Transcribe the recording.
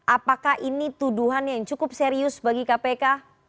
apakah ini tuduhan yang cukup serius bagi kpk